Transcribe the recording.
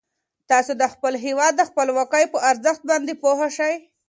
تاسو د خپل هیواد د خپلواکۍ په ارزښت باندې پوه شئ.